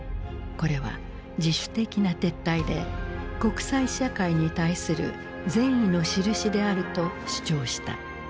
これは自主的な撤退で国際社会に対する善意のしるしであると主張した。